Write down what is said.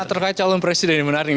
nah terkait calon presiden ini menarik